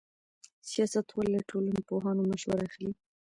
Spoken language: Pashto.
سیاستوال له ټولنپوهانو مشوره اخلي.